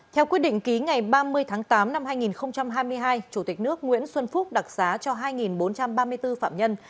theo quyết định ký ngày ba mươi tháng tám năm hai nghìn hai mươi hai chủ tịch nước nguyễn xuân phúc đặc xá cho hai bốn trăm ba mươi bốn phạm nhân